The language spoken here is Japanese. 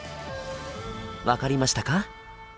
分かりましたか？